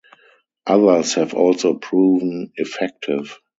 Others have also proven effective.